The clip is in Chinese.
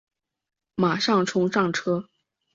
马上冲上车